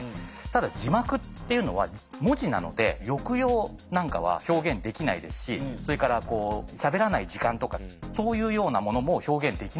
ただ字幕っていうのは文字なので抑揚なんかは表現できないですしそれからしゃべらない時間とかそういうようなものも表現できないわけです。